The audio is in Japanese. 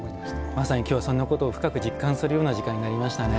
まさに今日はそんなことを深く実感するような時間になりましたね。